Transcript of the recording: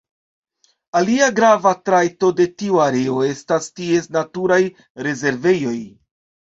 Alia grava trajto de tiu areo estas ties naturaj rezervejoj.